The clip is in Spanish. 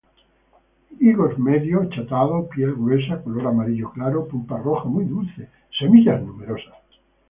Higos medio, achatado; piel gruesa; color amarillo claro; pulpa roja, muy dulce; semillas numerosas.